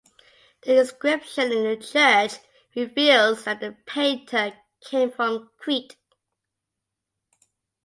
The inscription in the church reveals that the painter came from Crete.